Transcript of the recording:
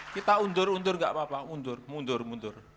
kita untur untur enggak apa apa untur mundur mundur